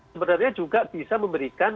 sebenarnya juga bisa memberikan